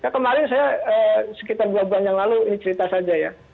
kemarin saya sekitar dua bulan yang lalu ini cerita saja ya